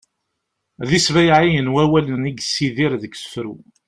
d isbayɛiyen wawalen i yessidir deg usefru